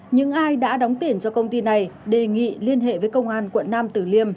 những ai đã đóng tiền cho công ty này đề nghị liên hệ với công an quận nam tử liêm